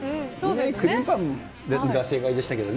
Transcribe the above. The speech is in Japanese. クリームパンが正解でしたけどね。